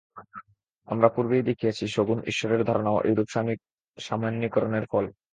আমরা পূর্বেই দেখিয়াছি, সগুণ ঈশ্বরের ধারণাও এইরূপ সামান্যীকরণের ফল।